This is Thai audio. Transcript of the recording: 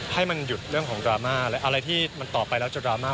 ให้มันหยุดเรื่องของดราม่าและอะไรที่มันต่อไปแล้วจะดราม่า